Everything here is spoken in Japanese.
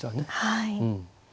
はい。